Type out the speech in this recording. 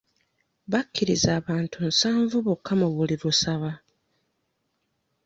Bakkiriza abantu nsavu bokka mu buli lusaba.